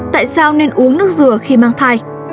tại sao nên uống nước dừa khi mang thai